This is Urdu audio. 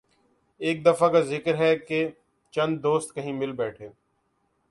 ایک دفعہ کا ذکر ہے کہ چند دوست کہیں مل بیٹھے